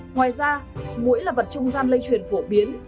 ngoài ra mũi là vật trung gian lây truyền phổ biến